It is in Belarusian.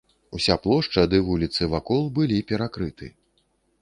Уся плошча ды вуліцы вакол былі перакрыты.